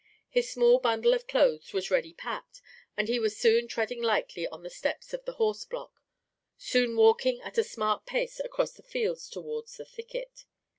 His small bundle of clothes was ready packed, and he was soon treading lightly on the steps of the horse block, soon walking at a smart pace across the fields towards the thicket.